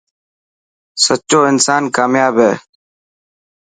سچو انسان ڪامياب هي.